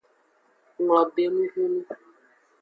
Nglobe enu hunu.